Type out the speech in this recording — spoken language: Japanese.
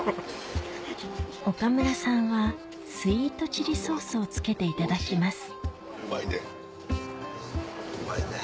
岡村さんはスイートチリソースをつけていただきますうまいで。